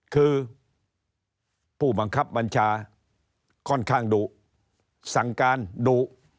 คือผู้บังคับบัญชาค่อนข้างดุสั่งการดุ